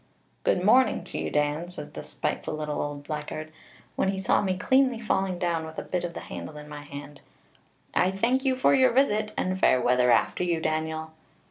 'Good morning to you, Dan,' says the spiteful little old blackguard, when he saw me cleanly falling down with a bit of the handle in my hand; 'I thank you for your visit, and fair weather after you, Daniel.'